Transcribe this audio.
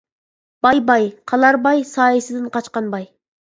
باي-باي، قالار باي، سايىسىدىن قاچقان باي.